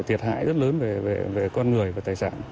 tiệt hại rất lớn về con người và tài sản